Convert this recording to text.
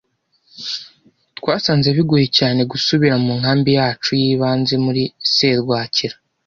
Twasanze bigoye cyane gusubira mu nkambi yacu y'ibanze muri serwakira.